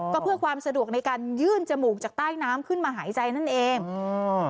ก็เพื่อความสะดวกในการยื่นจมูกจากใต้น้ำขึ้นมาหายใจนั่นเองอืม